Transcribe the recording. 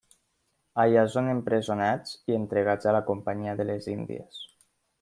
Allà són empresonats i entregats a la companyia de les índies.